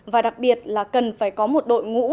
và đặc biệt là cần phải có một đội ngũ